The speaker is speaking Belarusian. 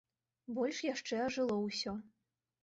Больш яшчэ ажыло ўсё.